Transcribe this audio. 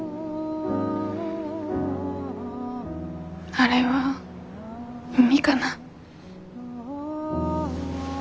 あれは海かな？